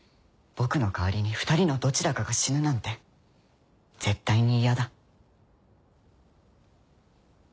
僕の代わりに２人のどちらかが死ぬなんて絶対に嫌だ。